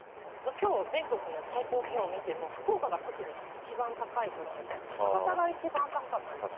きょう、全国の最高気温見ても福岡が特に、一番高いくらいの、博多が一番高かったんですね。